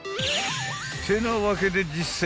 ［ってなわけで実践